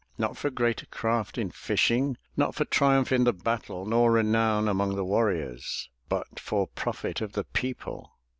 Not for greater craft in fishing, Not for triumph in the battle. Nor renown among the warriors. But for profit of the people.